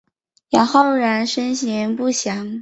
杨浩然生年不详。